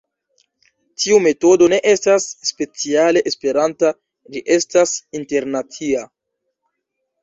Tiu metodo ne estas speciale Esperanta, ĝi estas internacia.